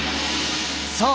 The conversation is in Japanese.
そう！